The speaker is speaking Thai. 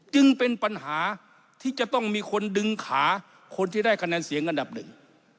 จึงเป็นปัญหาที่จะต้องมีคนดึงขาคนที่ได้คะแนนเสียงอันดับหนึ่ง